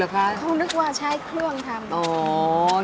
เขานึกว่าใช้เครื่องทำ